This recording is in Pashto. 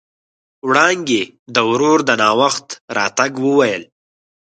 وړانګې د ورور د ناوخت راتګ وويل.